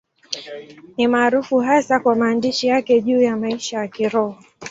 Ni maarufu hasa kwa maandishi yake juu ya maisha ya Kiroho.